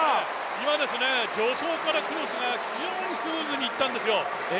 今、助走から非常にスムーズにいったんですよ。